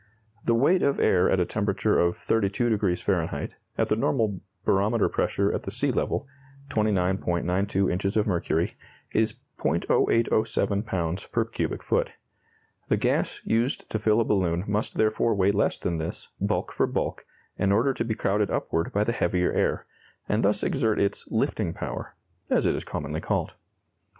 The weight of air at a temperature of 32° Fahr., at the normal barometer pressure at the sea level (29.92 inches of mercury), is 0.0807 lbs. per cubic foot. The gas used to fill a balloon must therefore weigh less than this, bulk for bulk, in order to be crowded upward by the heavier air and thus exert its "lifting power," as it is commonly called.